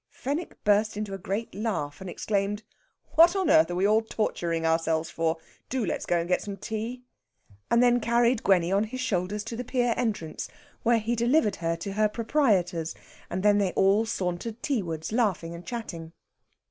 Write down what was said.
Fenwick burst into a great laugh, and exclaimed, "What on earth are we all torturing ourselves for? Do let's go and get some tea." And then carried Gwenny on his shoulders to the pier entrance, where he delivered her to her proprietors, and then they all sauntered teawards, laughing and chatting.